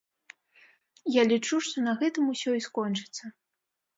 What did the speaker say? Я лічу, што на гэтым усё і скончыцца.